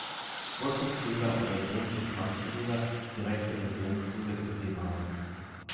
Wolfgang Köhler war der Sohn von Franz Köhler, Direktor der Domschule in Reval.